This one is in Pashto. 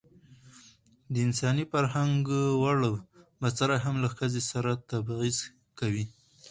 د انساني فرهنګ ووړ بڅرى هم له ښځې سره تبعيض کوي.